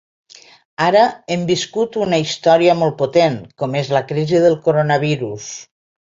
Ara, hem viscut una història molt potent, com és la crisi del coronavirus.